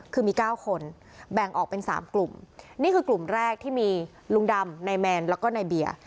คือมี๙คนแบ่งออกเป็น๓กลุ่มนี่คือกลุ่มแรกที่มีลุงดำนายแมนแล้วก็นายเบียร์